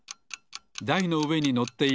だいのうえにのっている